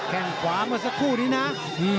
แข่งขวามาสักคู่นี้นะ